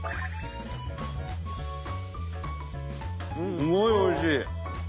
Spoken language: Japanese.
すごいおいしい。